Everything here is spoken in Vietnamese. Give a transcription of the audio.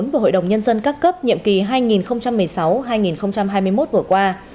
và hội đồng nhân dân các cấp nhiệm kỳ hai nghìn một mươi sáu hai nghìn hai mươi một vừa qua